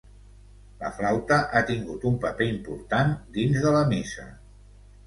La flaüta ha tingut un paper important dins de la missa.